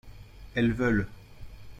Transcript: elles veulent.